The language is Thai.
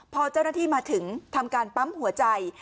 พอเจ้าหน้าที่มาถึงทำการปั๊มหัวใจ